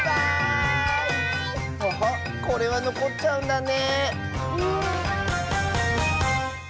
これはのこっちゃうんだね。